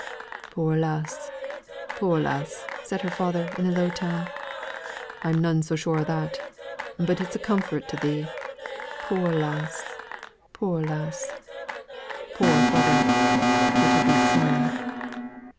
"Poor lass, poor lass!" said her father in a low tone. "I'm none so sure o' that; but it's a comfort to thee, poor lass, poor lass. Poor father! it'll be soon."